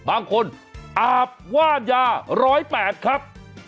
บางคนอาบว่าญาร้อยแปดครับ